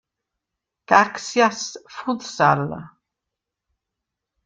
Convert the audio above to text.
Caxias Futsal.